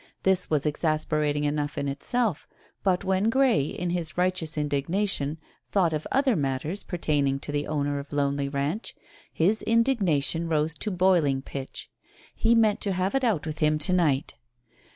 This was exasperating enough in itself, but when Grey, in his righteous indignation, thought of other matters pertaining to the owner of Lonely Ranch, his indignation rose to boiling pitch. He meant to have it out with him to night.